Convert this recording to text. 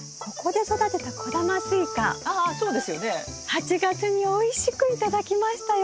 ８月においしく頂きましたよ！